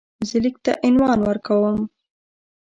زه لیک ته عنوان ورکوم.